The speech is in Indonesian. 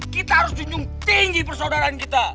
kita harus junjung tinggi persaudaraan kita